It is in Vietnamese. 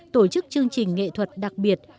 tổ chức chương trình nghệ thuật đặc biệt